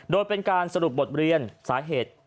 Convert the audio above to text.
โดยเป็นการสรุปบทเรียนสาเหตุ